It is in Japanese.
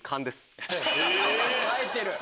さえてる！